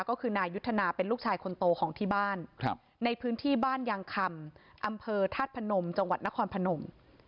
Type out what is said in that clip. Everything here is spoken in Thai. ก็คือนายุทธนาเป็นลูกชายคนโตของที่บ้านในพื้นที่บ้านยางคำอำเภอธาตุพนมจังหวัดนครพนม